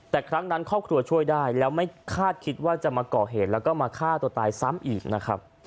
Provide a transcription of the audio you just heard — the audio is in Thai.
แต่ครั้งนั้นครอบครัวช่วยได้แล้วไม่คาดคิดว่าจะมาก่อเหตุแล้วก็มาฆ่าตัวตายซ้ำอีกนะครับ